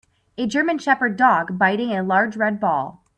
a German Sheppard dog bting a large red ball